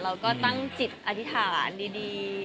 เราก็ตั้งจิตอธิษฐานดี